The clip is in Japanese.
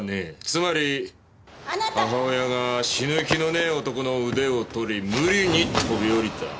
つまり母親が死ぬ気のねえ男の腕を取り無理に飛び降りた。